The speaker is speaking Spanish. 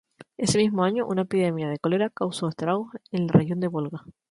Ese mismo año, una epidemia de cólera causó estragos en la región del Volga.